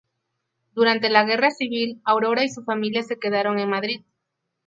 Durante la guerra civil Aurora y su familia se quedaron en Madrid.